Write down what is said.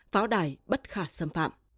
pháo đài bất khả xâm phạm